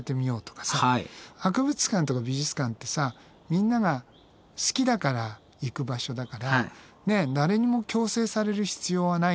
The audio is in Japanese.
博物館とか美術館ってさみんなが好きだから行く場所だから誰にも強制される必要はないんだよね。